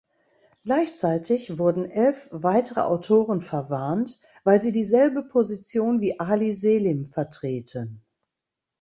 Gleichzeitig wurden elf weitere Autoren verwarnt, weil sie dieselbe Position wie Ali Selim vertreten.